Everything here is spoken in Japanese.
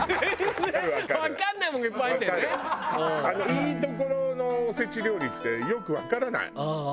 いいところのお節料理ってよくわからない。